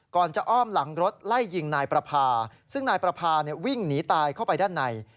ก่อนจะอ้อมหลังรถไล่ยิงนายประพาซึ่งนายประพาวิ่งหนีตายเข้าไปด้านใน